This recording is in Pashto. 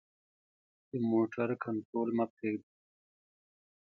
د موټر کنټرول مه پریږده.